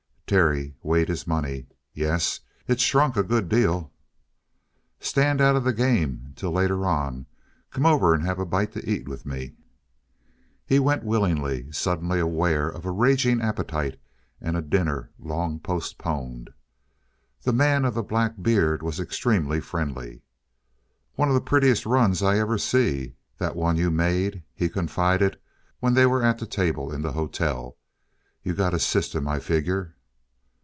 Terry weighed his money. "Yes, it's shrunk a good deal." "Stand out of the game till later on. Come over and have a bite to eat with me." He went willingly, suddenly aware of a raging appetite and a dinner long postponed. The man of the black beard was extremely friendly. "One of the prettiest runs I ever see, that one you made," he confided when they were at the table in the hotel. "You got a system, I figure."